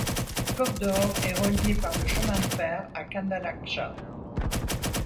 Kovdor est reliée par le chemin de fer à Kandalakcha.